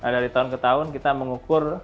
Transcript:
dari tahun ke tahun kita mengukur